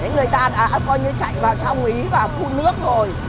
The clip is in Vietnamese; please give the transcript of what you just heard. người ta đã coi như chạy vào trong ý và phun nước rồi